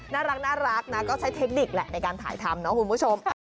น่ารักนะก็ใช้เทคนิคแหละในการถ่ายทำเนาะคุณผู้ชม